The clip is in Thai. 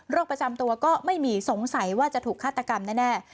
ประจำตัวก็ไม่มีสงสัยว่าจะถูกฆาตกรรมแน่